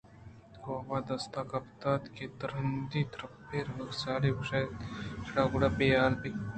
کاف ءِ دستاں گِپت اَنت ءُترٛندی ءَ پرٛتکے ءُروگءَ ساری گوٛشتئے شر گڑا بے حیال نہ بئے